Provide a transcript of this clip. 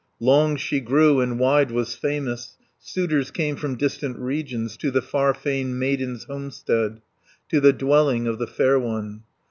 Long she grew, and wide was famous: Suitors came from distant regions, To the far famed maiden's homestead, To the dwelling of the fair one.